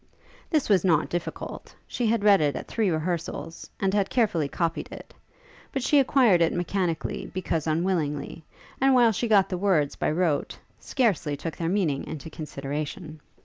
This was not difficult: she had read it at three rehearsals, and had carefully copied it; but she acquired it mechanically because unwillingly, and while she got the words by rote, scarcely took their meaning into consideration.